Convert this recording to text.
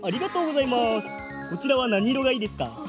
こちらはなにいろがいいですか？